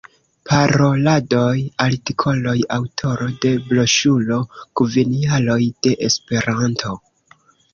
Paroladoj, artikoloj; aŭtoro de broŝuro Kvin jaroj de Esperanto.